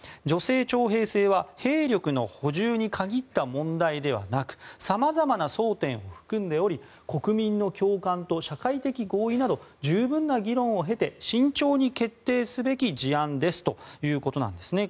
女性徴兵制は兵力の補充に限った問題ではなく様々な争点を含んでおり国民の共感と社会的合意など十分な議論を経て慎重に決定すべき事案ですということなんです。